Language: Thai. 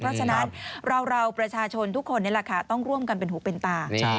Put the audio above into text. เพราะฉะนั้นเราประชาชนทุกคนต้องร่วมกันเป็นหูเป็นตา